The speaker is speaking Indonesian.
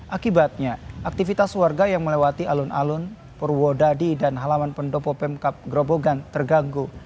akibatnya aktivitas warga yang melewati alun alun purwodadi dan halaman pendopo pemkap grobogan terganggu